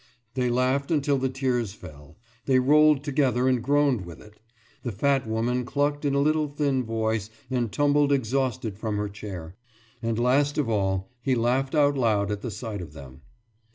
They laughed until the tears fell; they rolled together and groaned with it. The fat woman clucked in a little thin voice and tumbled exhausted from her chair. And, last of all, he laughed out loud at the sight of them.